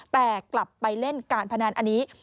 แต่กลับไปเล่นการพนันอันนี้